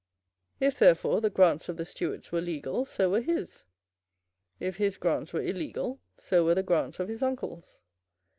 If, therefore, the grants of the Stuarts were legal, so were his; if his grants were illegal, so were the grants of his uncles.